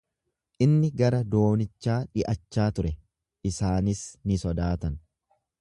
Inni gara doonichaa dhi’achaa ture, isaanis ni sodaatan.